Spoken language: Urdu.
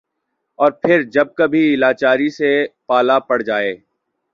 اور پھر جب کبھی لاچاری سے پالا پڑ جائے ۔